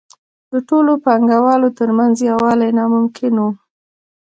د ټولو پانګوالو ترمنځ یووالی ناممکن وو